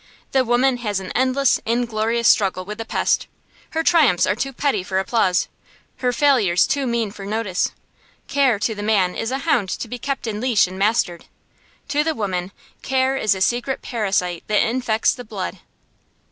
The woman has an endless, inglorious struggle with the pest; her triumphs are too petty for applause, her failures too mean for notice. Care, to the man, is a hound to be kept in leash and mastered. To the woman, care is a secret parasite that infects the blood.